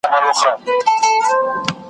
څوک یې نه لیدی پر مځکه چي دښمن وي ,